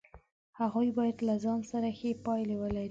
هغوی باید له ځان سره ښې پایلې ولري.